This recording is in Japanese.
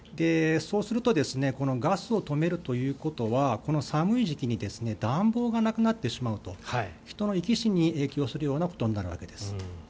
そうするとこのガスを止めるということはこの寒い時期に暖房がなくなってしまうと人の生き死にに影響することになるわけです。